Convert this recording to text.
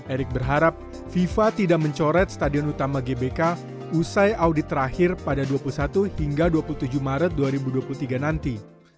erick berharap fifa tidak mencoret stadion utama gbk usai audit terakhir pada dua puluh satu hingga dua puluh tujuh maret dua ribu dua puluh tiga nanti